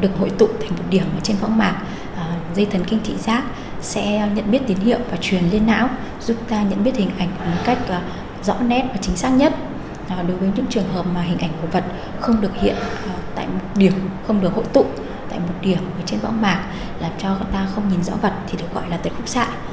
đối với những trường hợp mà hình ảnh của vật không được hiện tại một điểm không được hội tụ tại một điểm trên võng mạc làm cho người ta không nhìn rõ vật thì được gọi là tật khúc xạ